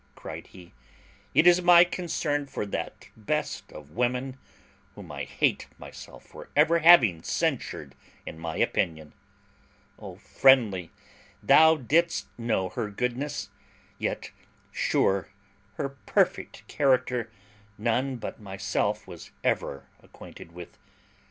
cried he, "it is my concern for that best of women, whom I hate myself for having ever censured in my opinion. O Friendly! thou didst know her goodness; yet, sure, her perfect character none but myself was ever acquainted with.